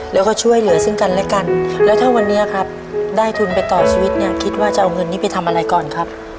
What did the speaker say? แล้วก็ช่วยเหลือซึ่งกันและกันแล้วถ้าวันนี้ครับได้ทุนไปต่อชีวิตเนี่ยคิดว่าจะเอาเงินนี้ไปทำอะไรก่อนครับ